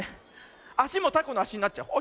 あしもたこのあしになっちゃう。